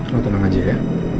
lo tenang aja ya